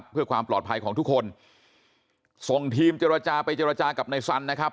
เพื่อความปลอดภัยของทุกคนส่งทีมเจรจาไปเจรจากับนายสันนะครับ